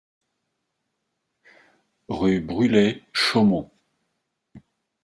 Rue Brulé, Chaumont